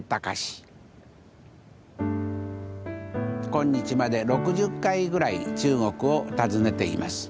今日まで６０回ぐらい中国を訪ねています。